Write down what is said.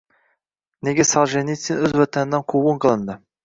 Nega Soljenitsin o‘z Vatanidan quvg‘in qilindi?